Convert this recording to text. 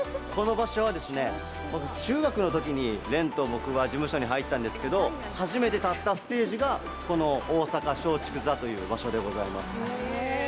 この場所はですね中学のときに廉と僕は事務所に入ったんですけど初めて立ったステージがこの大阪松竹座という場所でございます。